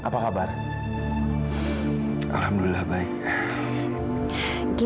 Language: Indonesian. kalau begitu silahkan silahkan ya